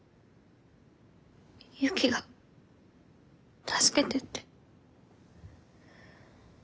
ユキが助けてって。